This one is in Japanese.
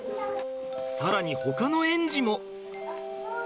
更にほかの園児も。